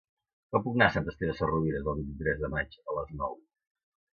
Com puc anar a Sant Esteve Sesrovires el vint-i-tres de maig a les nou?